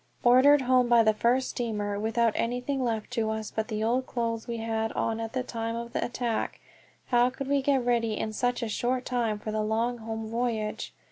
Ordered home by the first steamer, without anything left to us but the old clothes we had on at the time of the attack, how could we get ready in such a short time for the long home voyage?